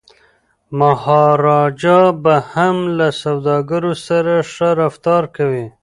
مهاراجا به هم له سوداګرو سره ښه رفتار کوي.